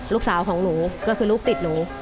ลูกสาวของหนูก็คือลูกติดหนู